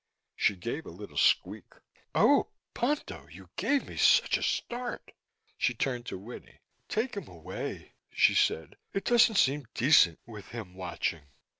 She gave a little squeak. "Oh, Ponto! You gave me such a start." She turned to Winnie. "Take him away," she said. "It doesn't seem decent with him watching."